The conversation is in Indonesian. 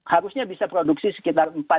harusnya bisa produksi sekitar